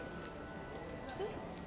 えっ？